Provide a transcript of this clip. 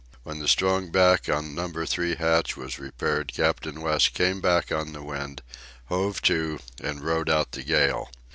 When the strong back on Number Three hatch was repaired Captain West came back on the wind, hove to, and rode out the gale.